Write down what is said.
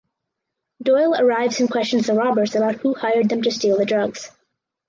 Doyle arrives and questions the robbers about who hired them to steal the drugs.